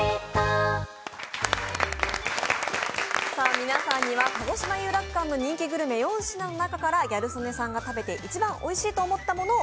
皆さんにはかごしま遊楽館の人気グルメ４品の中からギャル曽根さんが食べて一番おいしかったものを